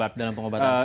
ya pasti dalam pengobatan